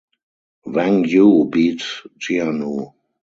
Wang Yue beat Jianu.